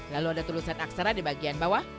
lalu ada tulisan aksara di bagian bawah